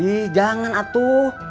ih jangan atuh